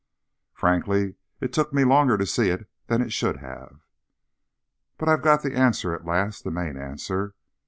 _ Frankly, it took me longer to see it than it should have. _But I've got the answer at last—the main answer.